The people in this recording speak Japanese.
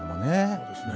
そうですね。